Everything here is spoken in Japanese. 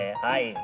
はい。